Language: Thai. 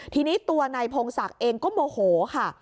ทีนี้ตัวนายพงศักดิ์เองก็โมโหค่ะ